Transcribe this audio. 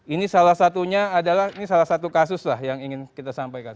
ini salah satunya adalah ini salah satu kasus lah yang ingin kita sampaikan